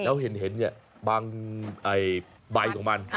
แล้วเห็นบางใบของมัน